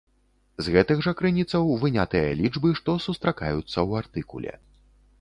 З гэтых жа крыніцаў вынятыя лічбы, што сустракаюцца ў артыкуле.